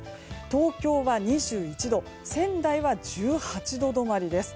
東京は２１度仙台は１８度止まりです。